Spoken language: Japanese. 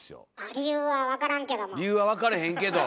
理由は分かれへんけど。